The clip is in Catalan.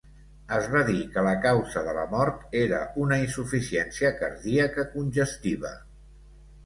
Es va dir que la causa de la mort era una insuficiència cardíaca congestiva.